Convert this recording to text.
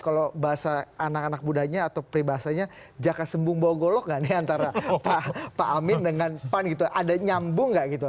kalau bahasa anak anak mudanya atau peribahasanya jaka sembung bawa golok nggak nih antara pak amin dengan pan gitu ada nyambung nggak gitu